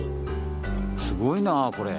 すごいなこれ。